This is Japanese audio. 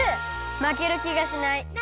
まけるきがしない！